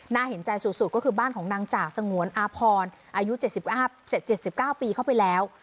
เห็นใจสุดก็คือบ้านของนางจ่าสงวนอาพรอายุ๗๙ปีเข้าไปแล้ว